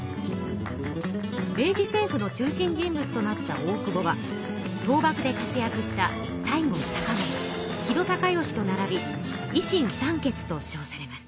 明治政府の中心人物となった大久保は倒幕で活躍した西郷隆盛木戸孝允とならび維新三傑としょうされます。